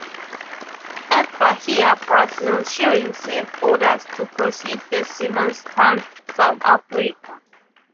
At Bahia, Brazil, she received orders to proceed to Simonstown, South Africa.